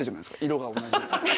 色が同じ。